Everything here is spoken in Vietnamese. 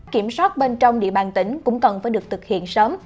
kiểm soát bên trong địa bàn tỉnh cũng cần phải được thực hiện sớm